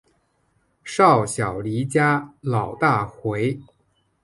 少小离家老大回